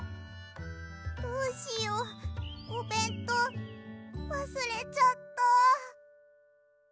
どうしようおべんとうわすれちゃった。